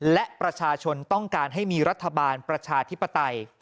และประชาชนต้องการให้มีรัฐบาลประชาธิปไตย